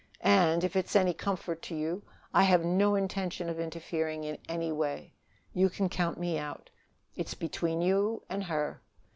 And, if it's any comfort to you, I have no intention of interfering in any way. You can count me out. It's between you and her."